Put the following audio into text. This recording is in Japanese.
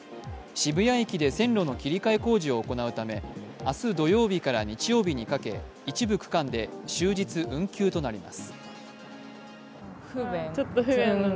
渋谷駅で線路の切り替え工事を行うため明日土曜日から日曜日にかけ一部区間で終日運休となります。